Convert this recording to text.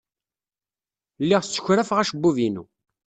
Lliɣ ssekrafeɣ acebbub-inu.